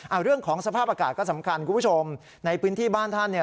เอาเรื่องของสภาพอากาศก็สำคัญคุณผู้ชมในพื้นที่บ้านท่านเนี่ย